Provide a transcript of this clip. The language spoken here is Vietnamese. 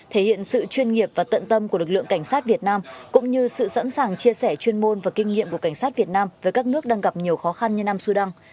thể hiện sự chuyên nghiệp và tận tâm của lực lượng cảnh sát việt nam cũng như sự sẵn sàng chia sẻ chuyên môn và kinh nghiệm của cảnh sát việt nam với các nước đang gặp nhiều khó khăn như nam sudan